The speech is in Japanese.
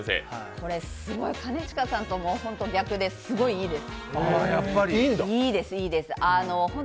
これすごい、兼近さんと本当に逆ですごくいいです。